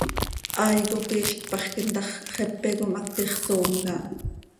Hai cop iizc paxquim ta x, xepe com haquix soom caha.